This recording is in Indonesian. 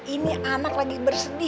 ini anak lagi berhenti